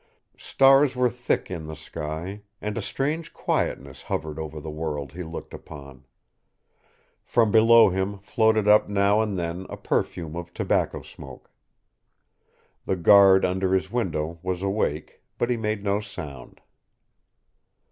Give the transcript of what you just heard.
Stars were thick in the sky, and a strange quietness hovered over the world he looked upon. From below him floated up now and then a perfume of tobacco smoke. The guard under his window was awake, but he made no sound.